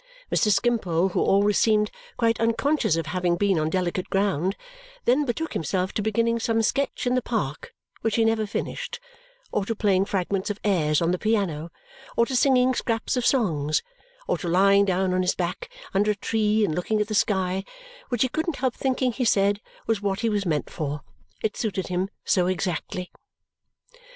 Mr. Skimpole, who always seemed quite unconscious of having been on delicate ground, then betook himself to beginning some sketch in the park which he never finished, or to playing fragments of airs on the piano, or to singing scraps of songs, or to lying down on his back under a tree and looking at the sky which he couldn't help thinking, he said, was what he was meant for; it suited him so exactly.